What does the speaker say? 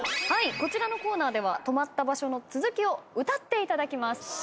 はいこちらのコーナーでは止まった場所の続きを歌っていただきます。